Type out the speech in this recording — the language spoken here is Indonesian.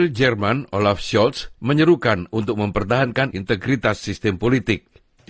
di jerman olaf shots menyerukan untuk mempertahankan integritas sistem politik